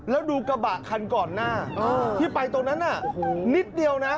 แล้วดูกระบะคันก่อนหน้าที่ไปตรงนั้นน่ะนิดเดียวนะ